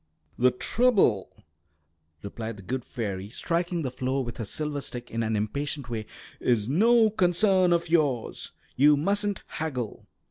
"The trouble," replied the good fairy, striking the floor with her silver stick in an impatient way, "is no concern of yours. You mustn't haggle."